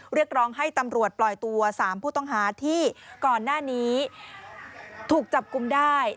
เรียกร้องให้ตำรวจปล่อยตัว๓ผู้ต้องหาที่ก่อนหน้านี้ถูกจับกลุ่มได้